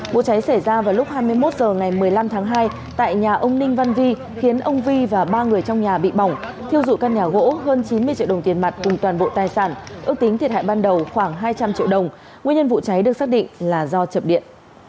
vụ cháy xảy ra vào lúc hai mươi một h ngày một mươi năm tháng hai tại nhà ông ninh văn vi khiến ông vi và ba người trong nhà bị bỏng thiêu dụi căn nhà gỗ hơn chín mươi triệu đồng tiền mặt cùng toàn bộ tài sản ước tính thiệt hại ban đầu khoảng hai trăm linh triệu đồng nguyên nhân vụ cháy được xác định là do chập điện